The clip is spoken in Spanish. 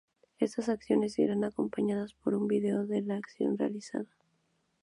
Estas acciones irán acompañadas por un vídeo de la acción realizada.